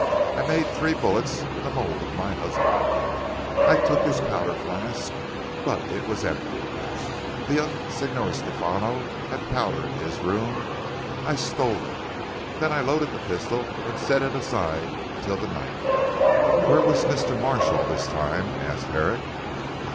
I made three bullets in the mould of my husband. I took his powder flask, but it was empty. The young Signor Stefano had powder in his room I stole it. Then I loaded the pistol and set it aside till the night." "Where was Mr. Marsh all this time?" asked Herrick.